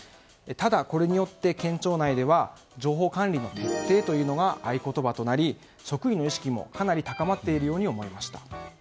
ただ、これによって県庁内では情報管理の徹底というのが合言葉となり職員の意識もかなり高まっているように思いました。